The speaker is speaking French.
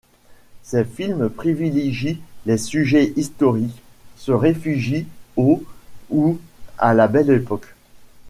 Ces films privilégient les sujets historiques, se réfugient au ou à la Belle Époque.